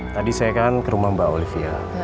tadi saya kan ke rumah mbak olivia